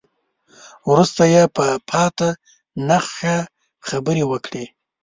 وروسته يې په پاتې نخشه خبرې وکړې.